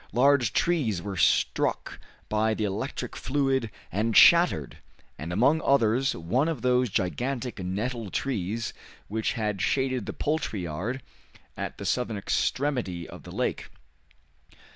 Large trees were struck by the electric fluid and shattered, and among others one of those gigantic nettle trees which had shaded the poultry yard at the southern extremity of the lake.